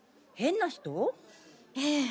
ええ。